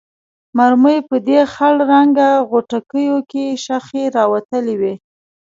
مرمۍ په دې خړ رنګه غوټکیو کې شخې راوتلې وې.